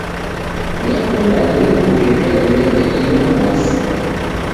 Nekunda nimguye peremende inyow'ose.